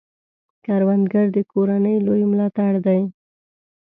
کروندګر د کورنۍ لوی ملاتړی دی